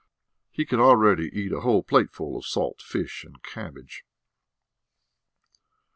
He could already eat a whole plateful of salt fish and cabbage.